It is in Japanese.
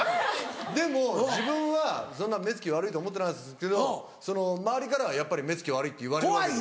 でも自分はそんな目つき悪いと思ってないですけど周りからはやっぱり目つき悪いって言われるわけですよ。